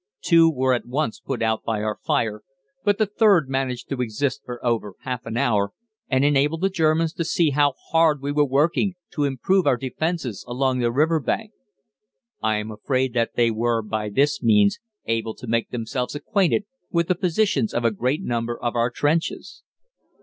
Two were at once put out by our fire, but the third managed to exist for over half an hour, and enabled the Germans to see how hard we were working to improve our defences along the river bank. I am afraid that they were by this means able to make themselves acquainted with the positions of a great number of our trenches.